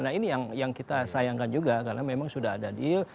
nah ini yang kita sayangkan juga karena memang sudah ada deal